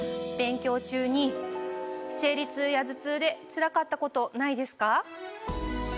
勉強中に生理痛や頭痛でつらかったことないですか？